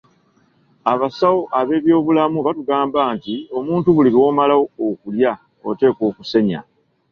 Abasawo ab'ebyobulamu batugamba nti omuntu buli lwomala okulya oteekwa okusenya.